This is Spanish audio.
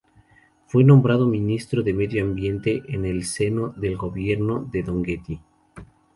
Fue nombrado ministro de medio ambiente en el seno del gobierno de Don Getty.